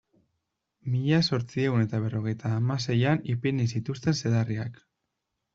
Mila zortziehun eta berrogeita hamaseian ipini zituzten zedarriak.